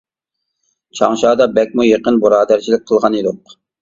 چاڭشادا بەكمۇ يېقىن بۇرادەرچىلىك قىلغان ئىدۇق.